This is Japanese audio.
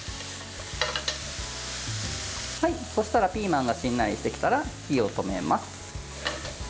そうしたらピーマンがしんなりしてきたら火を止めます。